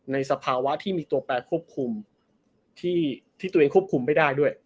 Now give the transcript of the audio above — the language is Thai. สภาวะที่มีตัวแปรควบคุมที่ตัวเองควบคุมไม่ได้ด้วย